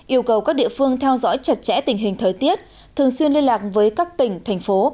yêu cầu các địa phương theo dõi chặt chẽ tình hình thời tiết thường xuyên liên lạc với các tỉnh thành phố